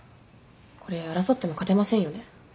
これ争っても勝てませんよね？